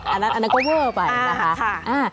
อันนั้นก็เวอร์ไปนะคะ